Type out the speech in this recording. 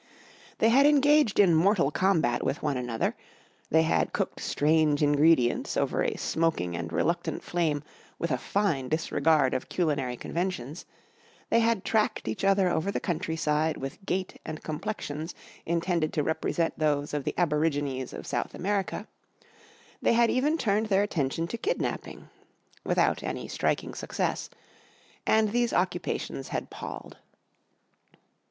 They had engaged in mortal combat with one another, they had cooked strange ingredients over a smoking and reluctant flame with a fine disregard of culinary conventions, they had tracked each other over the country side with gait and complexions intended to represent those of the aborigines of South America, they had even turned their attention to kidnapping (without any striking success), and these occupations had palled.